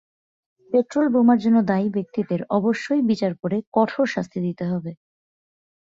পেট্রলবোমার জন্য দায়ী ব্যক্তিদের অবশ্যই বিচার করে কঠোর শাস্তি দিতে হবে।